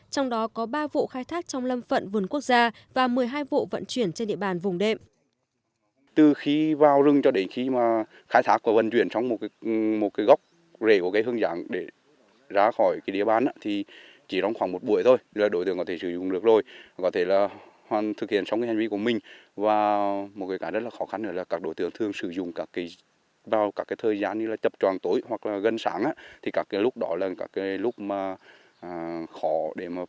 trong đó có ba vụ khai thác trong lâm phận vườn quốc gia và một mươi hai vụ vận chuyển trên địa bàn vùng đệm